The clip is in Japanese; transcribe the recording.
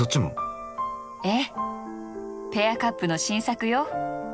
ええペアカップの新作よ。